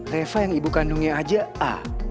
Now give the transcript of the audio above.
reva yang ibu kandungnya aja a